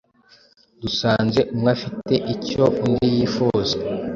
dusanze umwe afite icyo undi yifuzaga